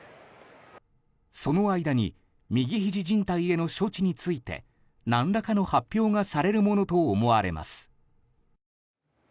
その間に右ひじじん帯への処置について何らかの発表がされるものと思われます。